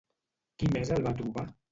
Qui més el va trobar?